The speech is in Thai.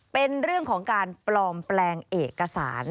เป็นเรื่องของการปลอมแปลงเอกสาร